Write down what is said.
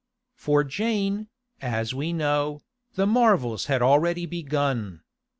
For Jane, as we know, the marvels had already begun.